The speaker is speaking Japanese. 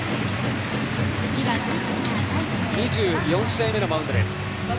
２４試合目のマウンドです。